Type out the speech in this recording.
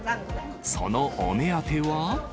そのお目当ては。